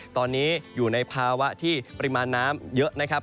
ตอนนี้อยู่ในภาวะที่ปริมาณน้ำเยอะนะครับ